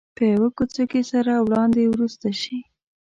په یوه کوڅه کې سره وړاندې ورسته شي.